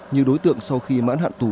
như đối tượng sau khi mãn hạn tù